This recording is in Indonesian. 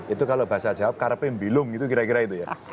itu kalau bahasa jawa karpembilung gitu kira kira itu ya